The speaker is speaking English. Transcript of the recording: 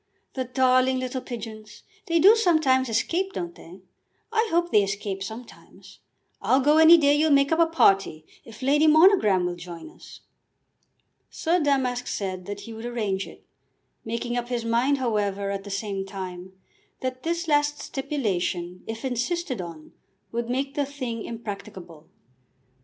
"The darling little pigeons! They do sometimes escape, don't they? I hope they escape sometimes. I'll go any day you'll make up a party, if Lady Monogram will join us." Sir Damask said that he would arrange it, making up his mind, however, at the same time, that this last stipulation, if insisted on, would make the thing impracticable.